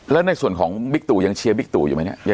แล้วในส่วนของบิคตูยังเชียร์บิคตูอยู่มั้ย